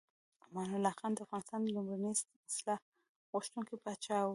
امان الله خان د افغانستان لومړنی اصلاح غوښتونکی پاچا و.